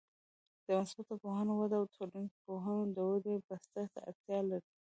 د مثبته پوهنو وده د ټولنیزو پوهنو د ودې بستر ته اړتیا لري.